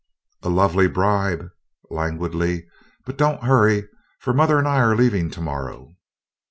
"A lovely bribe," languidly, "but don't hurry, for mother and I are leaving to morrow."